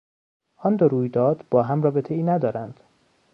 آن دو رویداد با هم رابطهای ندارند.